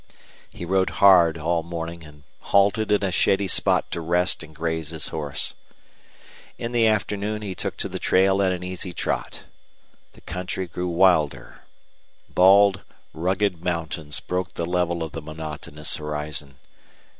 He rode hard all morning and halted in a shady spot to rest and graze his horse. In the afternoon he took to the trail at an easy trot. The country grew wilder. Bald, rugged mountains broke the level of the monotonous horizon.